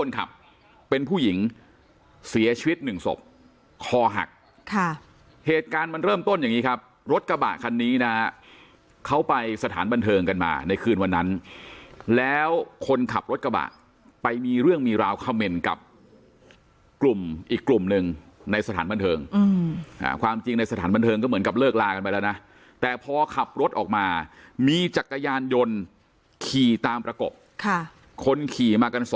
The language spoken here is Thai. ขับเป็นผู้หญิงเสียชีวิตหนึ่งศพคอหักค่ะเหตุการณ์มันเริ่มต้นอย่างนี้ครับรถกระบะคันนี้นะฮะเขาไปสถานบันเทิงกันมาในคืนวันนั้นแล้วคนขับรถกระบะไปมีเรื่องมีราวเขม่นกับกลุ่มอีกกลุ่มหนึ่งในสถานบันเทิงความจริงในสถานบันเทิงก็เหมือนกับเลิกลากันไปแล้วนะแต่พอขับรถออกมามีจักรยานยนต์ขี่ตามประกบค่ะคนขี่มากันส